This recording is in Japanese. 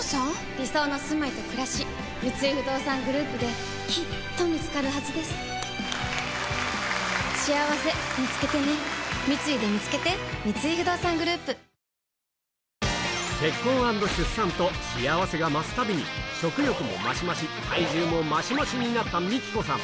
理想のすまいとくらし三井不動産グループできっと見つかるはずですしあわせみつけてね三井でみつけて幸せが増すたびに食欲もマシマシ体重もマシマシになったみきこさん